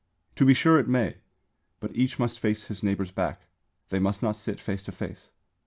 _ To be sure it may; but each must face his neighbour's back. They must not sit face to face.